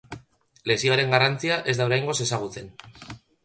Lesioaren garrantzia ez da oraingoz ezagutzen.